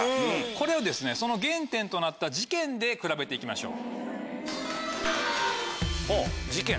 これをその原点となった事件でくらべて行きましょう。